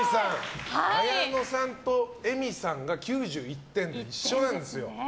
あやのさんとえみさんが９１点で一緒なんですよ。